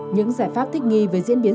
những giải pháp thích nghi với diễn biến